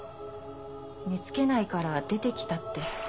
「寝つけないから出てきた」って。